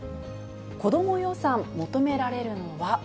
子ども予算求められるのは。